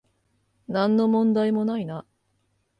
なんの問題もないな